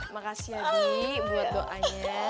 makasih ya bi buat doanya